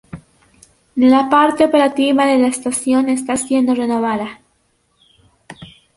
La parte operativa de la estación está siendo renovada.